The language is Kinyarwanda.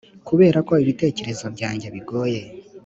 kuberako ibitekerezo byanjye bigoye